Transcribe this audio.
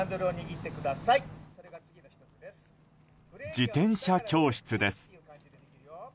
自転車教室です。